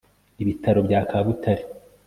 ibitaro bya kabutare